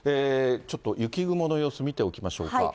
ちょっと雪雲の様子、見ておきましょうか。